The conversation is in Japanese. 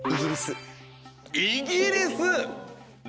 イギリス！